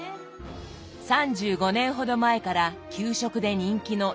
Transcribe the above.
３５年ほど前から給食で人気の津ぎょうざ。